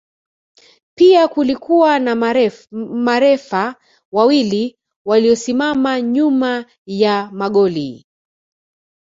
Pia kulikuwa na marefa wawili waliosimama nyuma ya magoli